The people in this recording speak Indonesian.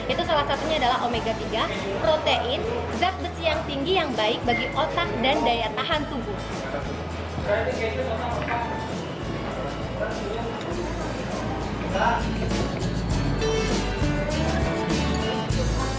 itu salah satunya adalah omega tiga protein zat besi yang tinggi yang baik bagi otak dan daya tahan tubuh